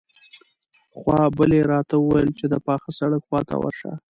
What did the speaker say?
خو بلې راته وويل چې د پاخه سړک خواته ورشه.